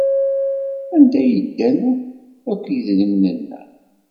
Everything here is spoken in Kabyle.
Anda ay ddan akk yedrimen-nneɣ?